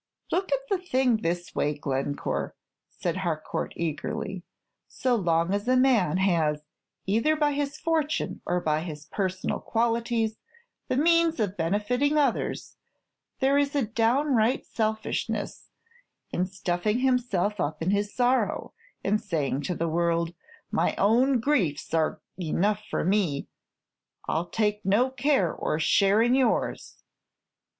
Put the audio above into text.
"Look at the thing this way, Glencore," said Harcourt, eagerly. "So long as a man has, either by his fortune or by his personal qualities, the means of benefiting others, there is a downright selfishness in shutting himself up in his sorrow, and saying to the world, 'My own griefs are enough for me; I 'll take no care or share in yours.'